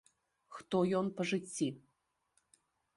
Хто ён па жыцці.